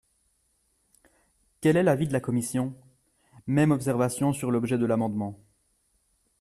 Quel est l’avis de la commission ? Même observation sur l’objet de l’amendement.